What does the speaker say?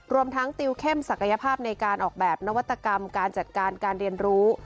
รวมทั้งติวเข้มศักยภาพในการออกแบบนวัตกรรมการจัดการการเรียนรู้